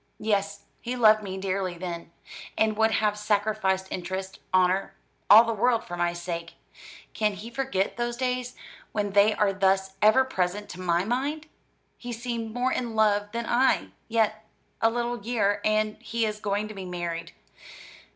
"Yes, he loved me dearly then, and would have sacrificed interest, honour, all the world for my sake. Can he forget those days, when they are thus ever present to my mind? He seemed more in love than I: yet, a little year, and he is going to be married.